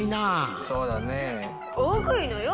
そうだね。